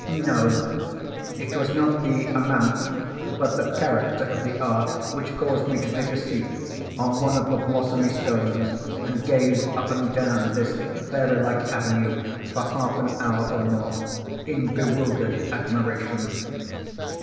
No; it was not the amount but the character of the art which caused me to take a seat on one of the blossomy stones and gaze up and down this fairy like avenue for half an hour or more in bewildered admiration.